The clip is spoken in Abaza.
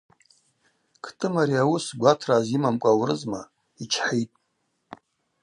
Кӏтӏым ари ауыс гватра азйымамкӏва аурызма – йчхӏитӏ.